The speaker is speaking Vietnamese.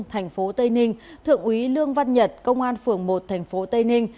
tp tây ninh thượng úy lương văn nhật công an phường một tp tây ninh